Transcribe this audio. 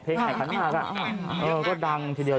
เพลงแห่ขันหมากน่ะเออก็ดังเฉียว